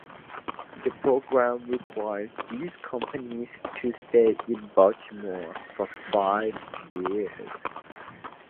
The program requires these companies to stay in Baltimore for five years.